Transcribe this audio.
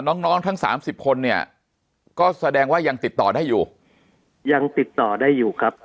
น้องน้องทั้งสามสิบคนเนี่ยก็แสดงว่ายังติดต่อได้อยู่ยังติดต่อได้อยู่ครับ